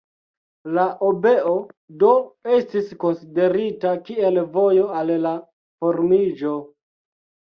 La obeo, do, estis konsiderita kiel vojo al la formiĝo.